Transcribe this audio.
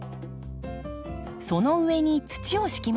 その上に土を敷きましょう。